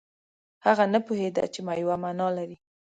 هغه نه پوهېده چې یوه معنا لري.